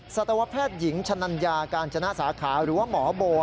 สัตวแพทย์หญิงชะนัญญาการจนะสาขาหรือว่าหมอโบ